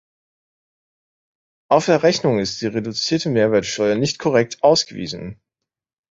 Auf der Rechnung ist die reduzierte Mehrwertsteuer nicht korrekt ausgewiesen.